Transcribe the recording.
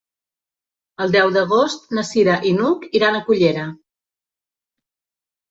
El deu d'agost na Cira i n'Hug iran a Cullera.